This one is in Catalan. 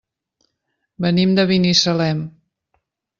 Venim de Binissalem.